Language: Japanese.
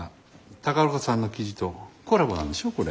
宝子さんの記事とコラボなんでしょこれ。